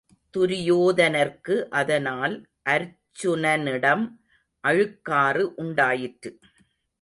துரியோதனர்க்கு அதனால் அருச்சுனனிடம் அழுக்காறு உண்டாயிற்று.